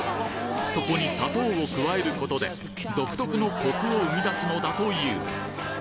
そこに砂糖を加えることで独特のコクを生み出すのだというそんなこだわりのタレを